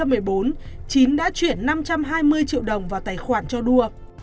ngày ba tháng một mươi năm hai nghìn một mươi bốn chín đã chuyển năm trăm hai mươi triệu đồng vào tài khoản cho đua